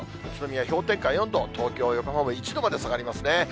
宇都宮、氷点下４度、東京、横浜も１度まで下がりますね。